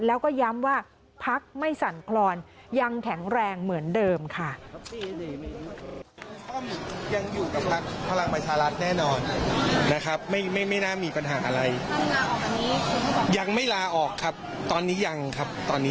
แล้วก็ย้ำว่าพักไม่สั่นคลอนยังแข็งแรงเหมือนเดิมค่ะ